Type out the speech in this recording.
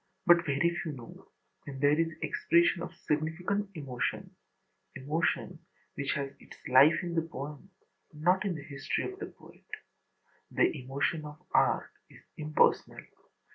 But very few know when there is expression of significant emotion, emotion which has its life in the poem and not in the history of the poet. The emotion of art is impersonal.